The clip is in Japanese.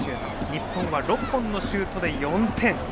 日本は６本のシュートで４点。